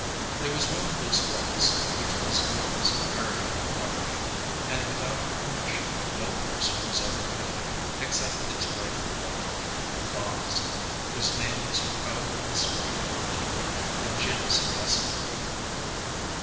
There was one loose box which was Norah's very own property, and without her permission no horse was ever put in it except its rightful occupant—Bobs, whose name was proudly displayed over the door in Jim's best carving.